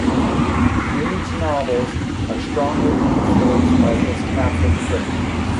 Read's novels are strongly influenced by his Catholic faith.